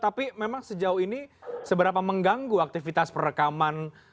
tapi memang sejauh ini seberapa mengganggu aktivitas perekaman